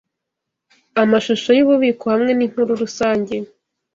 amashusho yububiko hamwe ninkuru rusange